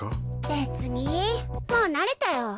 別にもう慣れたよ